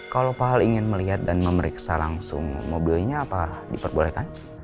kalau pak hal ingin melihat dan memeriksa langsung mobilnya apa diperbolehkan